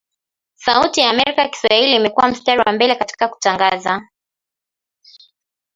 Sauti ya Amerika Kiswahili imekua mstari wa mbele katika kutangaza